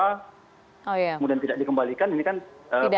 kemudian tidak dikembalikan ini kan